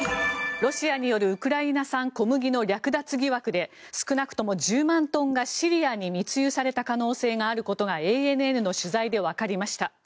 ロシアによるウクライナ産小麦の略奪疑惑で少なくとも１０万トンがシリアに密輸された可能性があることがＡＮＮの取材でわかりました。